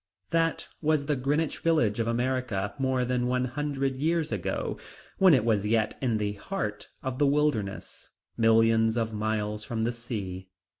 That was the Greenwich Village of America more than one hundred years ago, when it was yet in the heart of the wilderness, millions of miles from the sea.